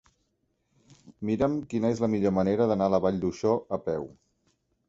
Mira'm quina és la millor manera d'anar a la Vall d'Uixó a peu.